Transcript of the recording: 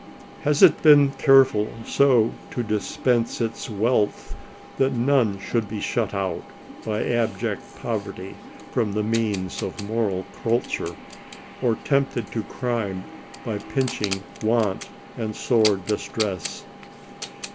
Has it been careful so to dispense its wealth that none should be shut out, by abject poverty, from the means of moral culture ; or tempted to crime by pinching want and sore distress